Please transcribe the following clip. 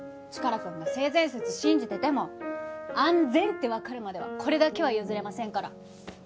チカラくんが性善説信じてても安全ってわかるまではこれだけは譲れませんから。